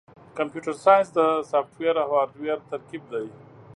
کمپیوټر ساینس د سافټویر او هارډویر ترکیب دی.